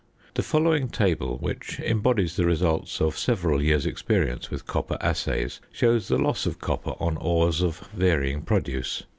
The following table, which embodies the results of several years' experience with copper assays, shows the loss of copper on ores of varying produce.